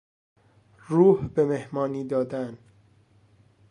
روح به مهمانی دادن